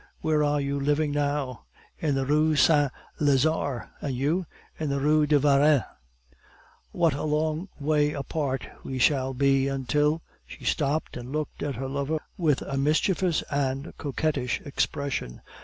"Where are you living now?" "In the Rue Saint Lazare. And you?" "In the Rue de Varenne." "What a long way apart we shall be until " She stopped, and looked at her lover with a mischievous and coquettish expression.